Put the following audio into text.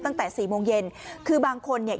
ตั้งแต่สี่โมงเย็นคือบางคนเนี่ย